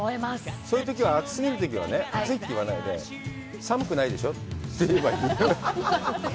そういうときは熱すぎるときは暑いって言わないで、寒くないでしょう？って言えばいい。